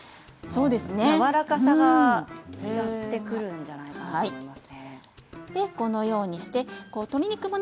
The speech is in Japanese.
やわらかさが違ってくるんじゃないかなと思いますね。